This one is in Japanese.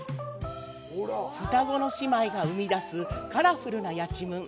双子の姉妹が生み出すカラフルなやちむん。